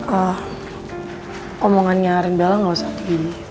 ehh omongannya rindala gak usah gitu